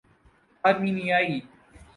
آرمینیائی